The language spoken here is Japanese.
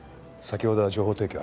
先ほどは情報提供